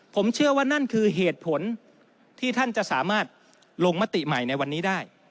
ผมเชื่อว่านั่นคือเหตุผลที่ท่านจะสามารถลงมติใหม่ในวันนี้ได้